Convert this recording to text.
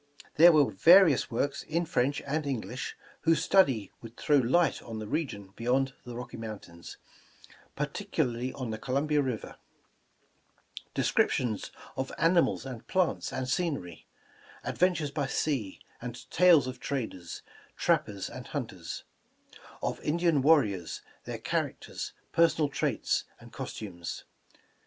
There were vari ous works in French and English, whose study would throw light on the region beyond the Rocky Mountains, particularly on the Columbia River; descriptions of animals and plants and scenery; adventures by sea, and tales of traders, trappers and hunters; of Indian warriors, their characters, personal traits and cos tumes.